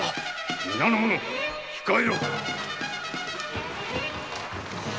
皆の者控えろ！